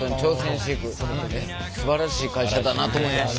すばらしい会社だなと思いました。